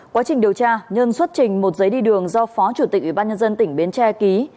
quá trình điều tra nhân xuất trình một giấy đi đường do phó chủ tịch ủy ban nhân dân tỉnh bến tre ký